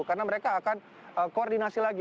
karena mereka akan koordinasi lagi